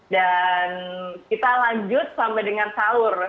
dan kita lanjut sampai dengan sahur